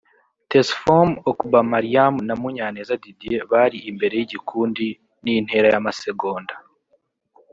Tesfom Okbamariam na Munyaneza Didier bari imbere y'igikundi n'intera y'amasegonda (")